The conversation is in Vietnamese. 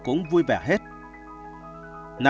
nhưng khi anh về việt nam